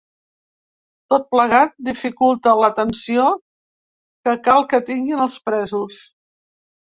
Tot plegat, dificulta l’atenció que cal que tinguin els presos.